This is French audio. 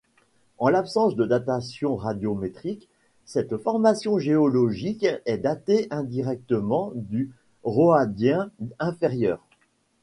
En l’absence de datation radiométrique, cette formation géologique est datée indirectement du Roadien inférieur.